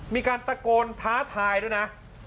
มีการตะโกนท้าทายด้วยนะ